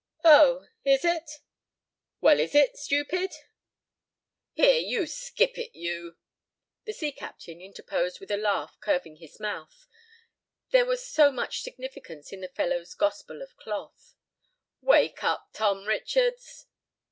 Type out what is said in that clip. "Oh—is it?" "Well, is it, stupid?" "Here, you skip it, you—" The sea captain interposed with a laugh curving his mouth. There was so much significance in the fellow's gospel of cloth. "Wake up, Tom Richards!"